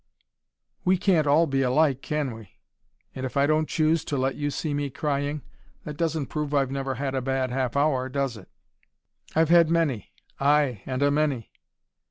"We can't all be alike, can we? And if I don't choose to let you see me crying, that doesn't prove I've never had a bad half hour, does it? I've had many ay, and a many."